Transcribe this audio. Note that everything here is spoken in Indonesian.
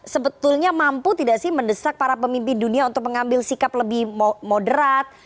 sebetulnya mampu tidak sih mendesak para pemimpin dunia untuk mengambil sikap lebih moderat